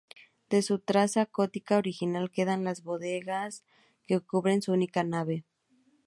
De su traza gótica original quedan las bóvedas que cubren su única nave.